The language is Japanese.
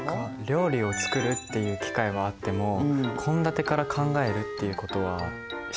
料理を作るっていう機会はあっても献立から考えるっていうことはしたことないですね。